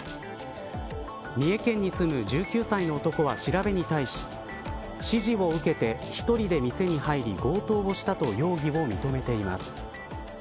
三重県に住む１９歳の男は調べに対し指示を受けて１人で店に入り、強盗をしたと容疑を認めています。